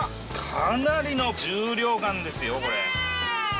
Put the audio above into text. かなりの重量感ですよこれ。